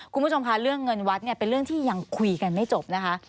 คุณผู้ชมค่ะเรื่องเงินวัดเนี่ยเป็นเรื่องที่ยังคุยกันไม่จบนะคะ